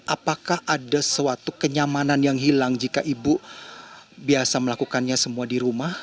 apakah ada suatu kenyamanan yang hilang jika ibu biasa melakukannya semua di rumah